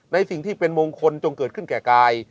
ในสิ่งที่เป็นมงคลจงเกิดขึ้นแก่กาย